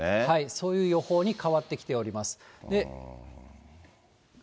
そういう予報に変わってきております。